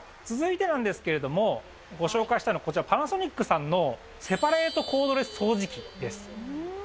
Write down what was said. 続いてなんですけれども、ご紹介したいのはこちら、パナソニックさんのセパレートコードレス掃除機です。